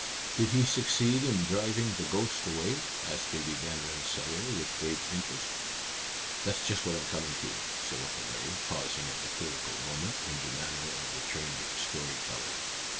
"Did he succeed in driving the ghosts away?" asked Baby Van Rensselaer, with great interest. "That's just what I'm coming to," said Uncle Larry, pausing at the critical moment, in the manner of the trained story teller.